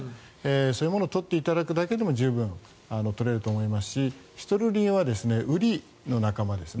そういうものを取っていただくだけでも十分に取れると思いますしシトルリンはウリの仲間ですね。